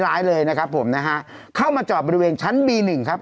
ร้ายเลยนะครับผมนะฮะเข้ามาจอดบริเวณชั้นบีหนึ่งครับ